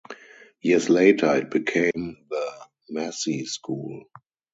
Years later it became the Massee School.